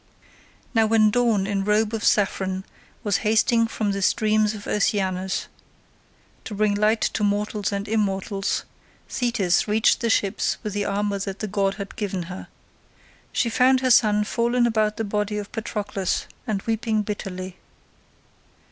Now when Dawn in robe of saffron was hasting from the streams of Oceanus, to bring light to mortals and immortals, Thetis reached the ships with the armour that the god had given her. She found her son fallen about the body of Patroclus and weeping bitterly.